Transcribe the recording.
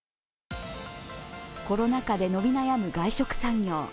コロナ禍で伸び悩む外食産業。